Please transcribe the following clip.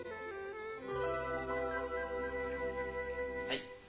はい。